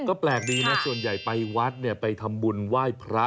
ก็แปลกดีนะส่วนใหญ่ไปวัดเนี่ยไปทำบุญไหว้พระ